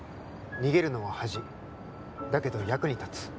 「逃げるのは恥だけど役に立つ」